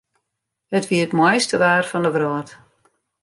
It wie it moaiste waar fan de wrâld.